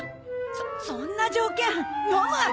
そそんな条件のむわけ。